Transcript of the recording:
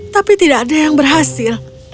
tapi tidak ada yang berhasil